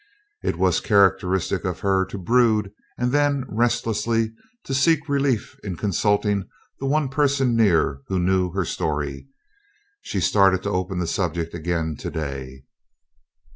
It was characteristic of her to brood and then restlessly to seek relief in consulting the one person near who knew her story. She started to open the subject again today.